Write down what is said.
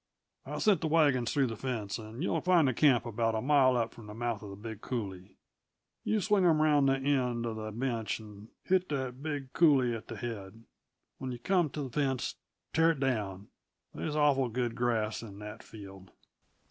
I sent the wagons through the fence, an' yuh'll find camp about a mile up from the mouth uh the big coulee. You swing 'em round the end uh this bench, an' hit that big coulee at the head. When you come t' the fence, tear it down. They's awful good grass in that field!"